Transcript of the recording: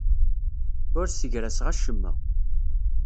Ur ssegraseɣ acemma.